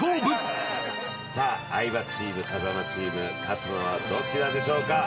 さあ相葉チーム風間チーム勝つのはどちらでしょうか？